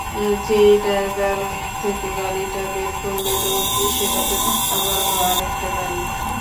যেই ড্রাইভওয়ে থেকে গাড়িটা বের করলেন, অমনি সেটাকে ধাক্কা মারল আরেকটা গাড়ি।